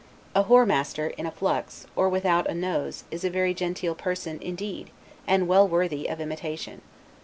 A whoremaster, in a flux, or without a nose, is a very genteel person, indeed, and well worthy of imitation.